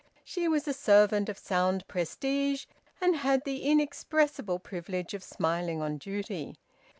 She was a servant of sound prestige, and had the inexpressible privilege of smiling on duty.